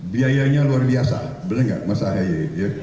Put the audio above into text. biayanya luar biasa bener gak mas aheye